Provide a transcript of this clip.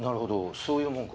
そういうもんか。